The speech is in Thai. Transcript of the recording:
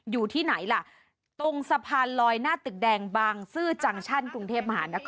อยู่ที่ไหนล่ะตรงสะพานลอยหน้าตึกแดงบางซื่อจังชั่นกรุงเทพมหานคร